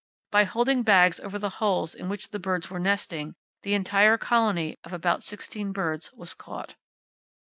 By holding bags over the holes in which the birds were nesting, the entire colony, of about 16 birds, was caught.